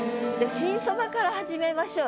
「新蕎麦」から始めましょうよ。